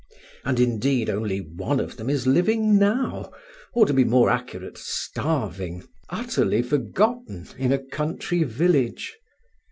And, indeed, only one of them is living now, or, to be more accurate, starving, utterly forgotten in a country village!